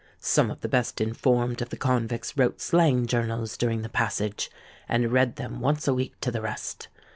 Some of the best informed of the convicts wrote slang journals during the passage, and read them once a week to the rest.